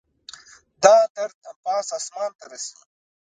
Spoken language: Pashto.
دا درد پاس اسمان ته رسي